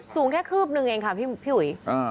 สูงแค่คืบนึงเองค่ะพี่อุ๋ย